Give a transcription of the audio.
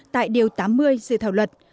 tại điều tám mươi dự thảo luật